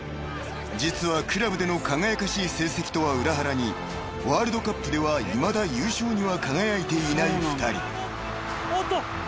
［実はクラブでの輝かしい成績とは裏腹にワールドカップではいまだ優勝には輝いていない２人］